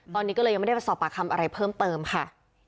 ตอนนี้ก็เลยยังไม่ได้ไปสอบปากคำอะไรเพิ่มเติมค่ะ